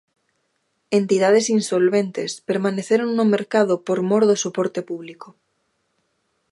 Entidades insolventes permaneceron no mercado por mor do soporte público.